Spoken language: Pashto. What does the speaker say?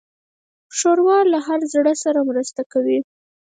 ښوروا له هر زړه سره مرسته کوي.